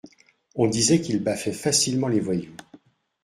on disait qu’il baffait facilement les voyous.